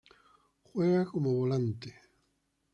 Juega como Volante.